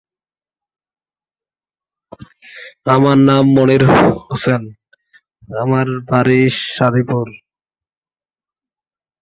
এই পদ্ধতিটি অত্যন্ত কঠিন এবং তাই তীর্থযাত্রীরা মন্দিরে নিজেই পূজা অর্পণ করেন।